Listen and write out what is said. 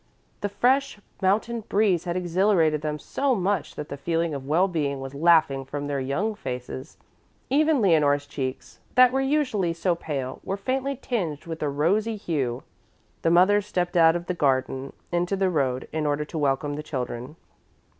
The fresh mountain breeze had exhilarated them so much that the feeling of well being was laughing from their young faces. Even Leonore's cheeks, that were usually so pale, were faintly tinged with a rosy hue. The mother stepped out of the garden into the road in order to welcome the children.